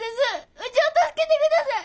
うちを助けてください。